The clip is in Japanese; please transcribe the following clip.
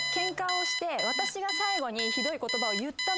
私が最後に。